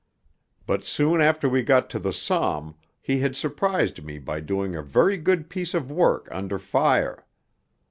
But soon after we got to the Somme he had surprised me by doing a very good piece of work under fire.